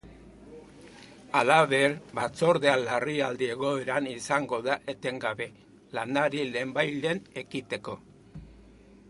Halaber, batzordea larrialdi egoeran izango da etengabe, lanari lehenbailehen ekiteko.